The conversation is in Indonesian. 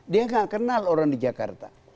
dia nggak kenal orang di jakarta